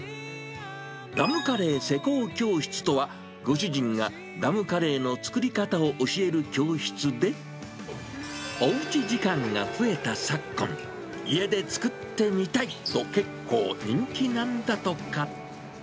ダムカレー施工教室とは、ご主人がダムカレーの作り方を教える教室で、おうち時間が増えた昨今、家で作ってみたいと、結構人気なんだとか。